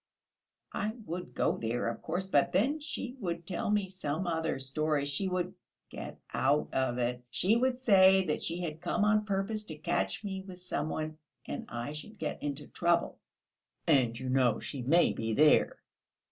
"I would go there, of course, but then she would tell me some other story; she would ... get out of it. She would say that she had come on purpose to catch me with some one, and I should get into trouble." "And, you know, she may be there!